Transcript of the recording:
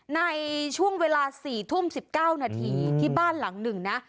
ในช่วงเวลา๔ทุ่ม๑๙นาทีที่บ้านหลังหนึ่งนะ